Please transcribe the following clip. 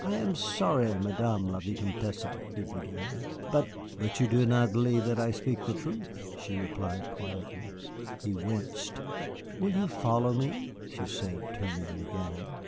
"I am sorry, Madame la Vicomtesse," he began, "but " "But you do not believe that I speak the truth," she replied quietly. He winced. "Will you follow me?" she said, turning again.